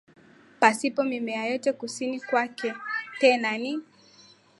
pasipo mimea yote Kusini kwake tena ni